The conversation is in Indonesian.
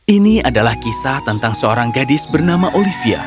ini adalah kisah tentang seorang gadis bernama olivia